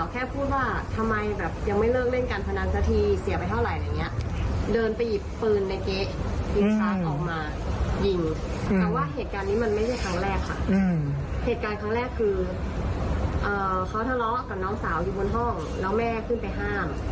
เขาทะเลาะกับน้องสาวอยู่บนห้องแล้วแม่ขึ้นไปห้าม